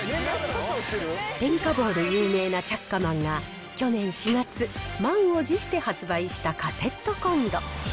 点火棒で有名なチャッカマンが、去年４月、満を持して発売したカセットコンロ。